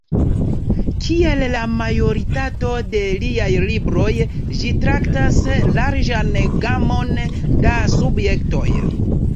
Kiel la majoritato de liaj libroj, ĝi traktas larĝan gamon da subjektoj.